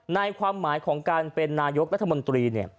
ในความหมายของการเป็นนายกรัฐมนตรี